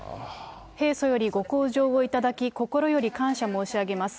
平素よりご厚情を頂き、心より感謝申し上げます。